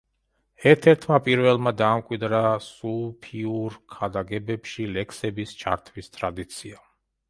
ერთ-ერთმა პირველმა დაამკვიდრა სუფიურ ქადაგებებში ლექსების ჩართვის ტრადიცია.